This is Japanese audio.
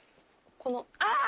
このあ！